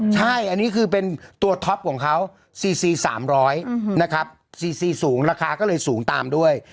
ใช่อันนี้คือเป็นตัวของเขาสี่สี่สามร้อยนะครับสี่สี่สูงราคาก็เลยสูงตามด้วย